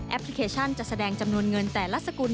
พลิเคชันจะแสดงจำนวนเงินแต่ละสกุล